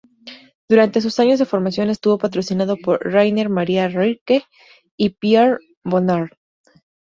Durante sus años de formación, estuvo patrocinado por Rainer Maria Rilke y Pierre Bonnard.